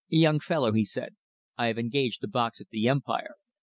"Young fellow," he said, "I have engaged a box at the Empire.